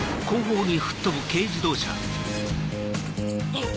あっ。